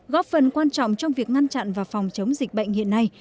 góp phần quan trọng trong việc ngăn chặn và phòng chống dịch bệnh hiện nay